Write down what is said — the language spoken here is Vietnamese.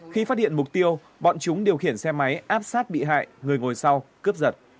khi phát hiện mục tiêu bọn chúng điều khiển xe máy áp sát bị hại người ngồi sau cướp giật